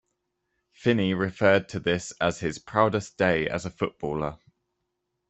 Finney referred to this as his "proudest day as a footballer".